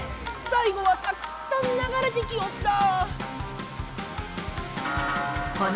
さい後はたくさんながれてきおった！